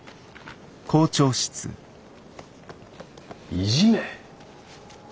いじめ？